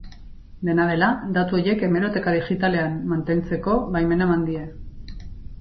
Dena dela, datu horiek hemeroteka digitaletan mantentzeko baimena eman die.